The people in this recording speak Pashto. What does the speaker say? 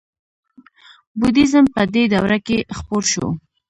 بودیزم په دې دوره کې خپور شو